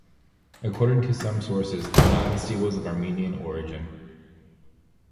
According to some sources the dynasty was of Armenian origin.